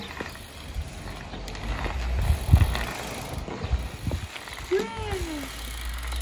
It is native to Chile and Argentina.